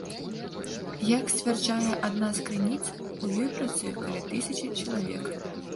Як сцвярджае адна з крыніц, у ёй працуе каля тысячы чалавек.